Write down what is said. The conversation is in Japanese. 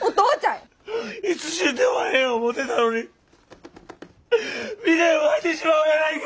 いつ死んでもええ思てたのに未練湧いてしまうやないけ。